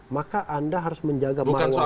maka anda harus menjaga mayoritas